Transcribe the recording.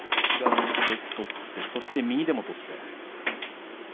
左で取って右でも取って。